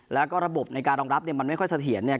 แล้วก็ระบบในการรองรับเนี่ยมันไม่ค่อยเสถียรเนี่ย